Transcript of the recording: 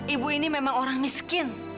ibu ini memang orang miskin